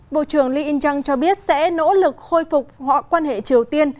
bộ trưởng lee in jung cho biết sẽ nỗ lực khôi phục họ quan hệ triều tiên